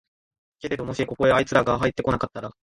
けれどももしここへあいつらがはいって来なかったら、